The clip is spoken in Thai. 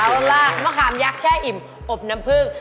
เอาล่ะมะขามยักษ์แช่อิ่มอบน้ำผึ้ง